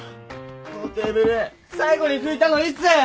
このテーブル最後に拭いたのいつ！？